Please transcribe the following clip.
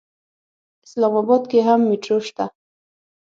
اسلام اباد کې هم مېټرو شته.